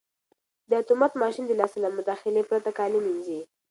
دا اتومات ماشین د لاس له مداخلې پرته کالي مینځي.